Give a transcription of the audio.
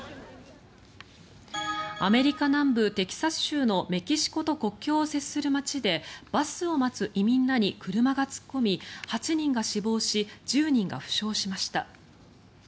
アメリカ南部テキサス州のメキシコと国境を接する街でバスを待つ移民らに車が突っ込み８人が死亡し１０人が負傷しました。